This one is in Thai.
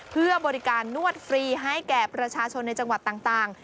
เพื่อบริการนวดฟรีให้แก่ประชาชนในจังหวัดต่าง